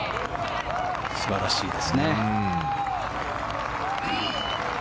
素晴らしいですね。